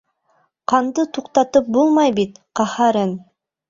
Ҡанды туҡтатып булмай бит, ҡәһәрең.